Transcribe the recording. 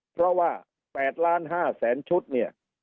เพราะว่า๘ล้าน๕แสนชุดเนี่ย